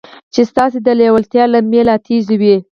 چې ستاسې د لېوالتیا لمبې لا تېزوي.